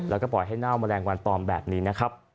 แล้วก็ปล่อยให้เน่าแมลงวันตอมแบบนี้นะครับ